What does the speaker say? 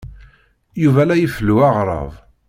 Yuba la ifellu aɣrab.